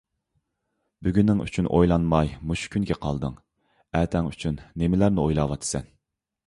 بۈگۈنىڭ ئۈچۈن ئويلانماي مۇشۇ كۈنگە قالدىڭ، ئەتەڭ ئۈچۈن نېمىلەرنى ئويلاۋاتىسەن؟!